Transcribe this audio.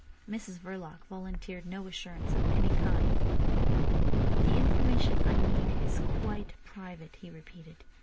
Mrs Verloc volunteered no assurance of any kind. "The information I need is quite private," he repeated.